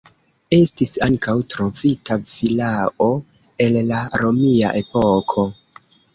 Estis ankaŭ trovita vilao el la romia epoko.